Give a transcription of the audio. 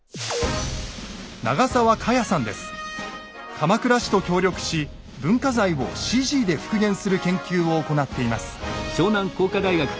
鎌倉市と協力し文化財をＣＧで復元する研究を行っています。